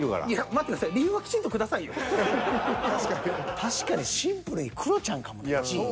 確かにシンプルにクロちゃんかもな１位。